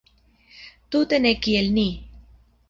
Tute ne kiel ni!